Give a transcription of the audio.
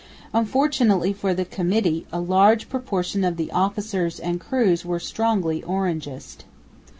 Unfortunately for the Committee, a large proportion of the officers and crews were strongly Orangist.